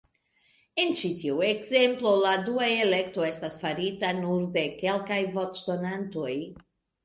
En ĉi tiu ekzemplo, la dua elekto estas farita nur de kelkaj voĉdonantoj.